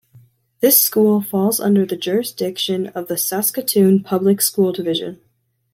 This school falls under the jurisdiction of the Saskatoon Public School Division.